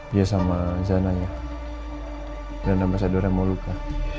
dia sama zananya dengan nama saya doreen moluka